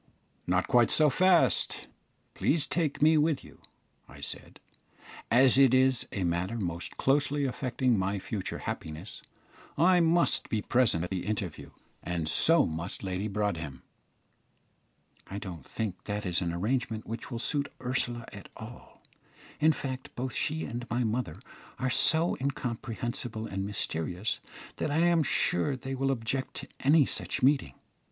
"Not quite so fast; please take me with you," I said. "As it is a matter most closely affecting my future happiness, I must be present at the interview, and so must Lady Broadhem." "I don't think that is an arrangement which will suit Ursula at all. In fact, both she and my mother are so incomprehensible and mysterious, that I am sure they will object to any such meeting.